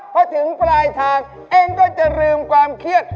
พอถึงปลายทางเองก็จะลืมความเครียด